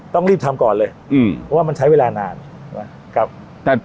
ต้องรีบทำก่อนเลยเพราะว่ามันใช้เวลานานไหม